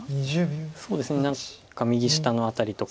そうですね何か右下の辺りとか。